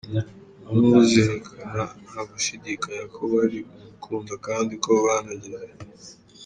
muhungu zerekana ntagushidikanya ko bari mu rukundo kandi ko banageze.